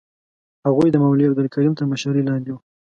هغوی د مولوي عبدالکریم تر مشرۍ لاندې وو.